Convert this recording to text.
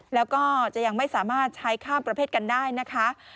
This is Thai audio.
แล้วก็จะยังไม่สามารถใช้ข้ามประเภทกันได้นะคะ